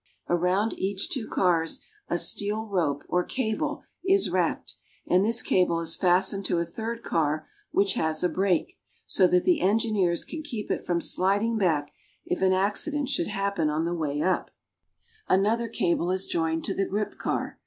Around each two cars a steel rope, or cable, is wrapped, and this cable is fastened to a third car which has a brake, so that the engineers can keep it from sliding back if an accident should happen on the way up. An SOUTHERN BRAZIL. 2^5 other cable is joined to the grip car.